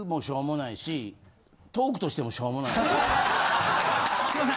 すいません！